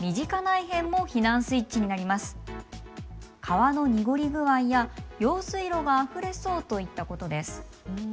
川のにごり具合や用水路があふれそうといったことです。